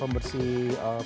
masukkan air panas